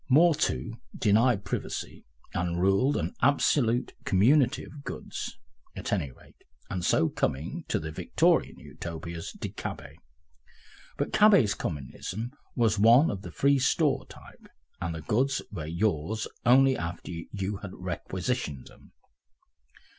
More, too, denied privacy and ruled an absolute community of goods, at any rate, and so, coming to the Victorian Utopias, did Cabet. But Cabet's communism was one of the "free store" type, and the goods were yours only after you had requisitioned them.